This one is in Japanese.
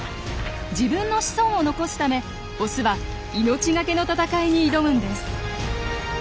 自分の子孫を残すためオスは命がけの戦いに挑むんです。